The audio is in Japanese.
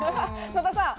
野田さん。